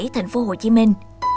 thành phố hồ chí minh